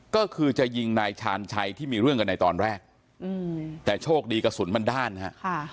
ก็คือจะยิงนายชาญชัยที่มีเรื่องกันในตอนแรกอืมแต่โชคดีกระสุนมันด้านฮะ